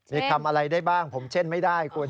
มีคำอะไรได้บ้างผมเช่นไม่ได้คุณ